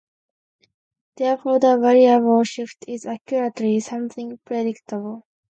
Therefore the variable shift is actually something predictable.